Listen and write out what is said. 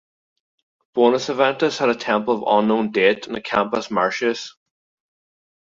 Bonus Eventus had a temple of unknown date in the Campus Martius.